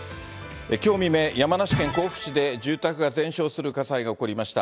きょう未明、山梨県甲府市で住宅が全焼する火災が起こりました。